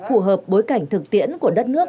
phù hợp bối cảnh thực tiễn của đất nước